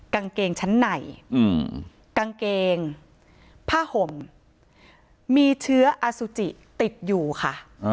กางเกงชั้นในกางเกงผ้าห่มมีเชื้ออสุจิติดอยู่ค่ะ